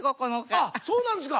あっそうなんですか？